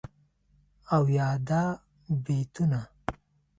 او یادا بیتونه..